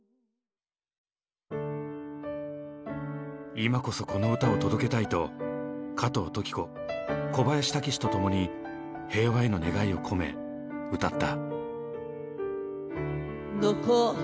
今こそこの歌を届けたいと加藤登紀子小林武史とともに平和への願いを込め歌った。